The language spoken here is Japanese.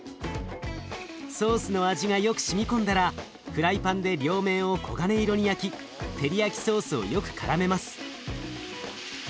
ソースの味がよくしみ込んだらフライパンで両面を黄金色に焼きテリヤキソースをよくからめます。